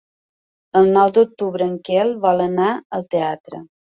El nou d'octubre en Quel vol anar al teatre.